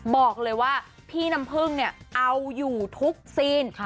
บอกเลยว่าพี่น้ำพึ่งเนี่ยเอาอยู่ทุกซีน